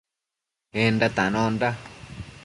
Enda tanonda